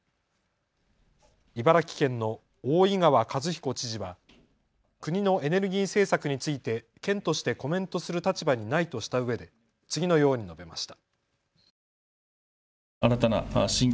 茨城県の大井川和彦知事は国のエネルギー政策について県としてコメントする立場にないとしたうえで次のように述べました。